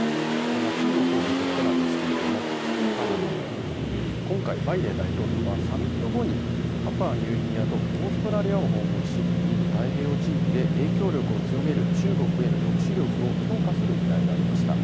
中国を巡ってなんですけれども、今回、バイデン大統領は、サミット後に、パプアニューギニアとオーストラリアを訪問し、インド太平洋地域で影響力を強める中国への抑止力を強化するねらいがありました。